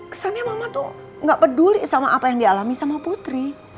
kesannya mama tuh gak peduli sama apa yang dialami sama putri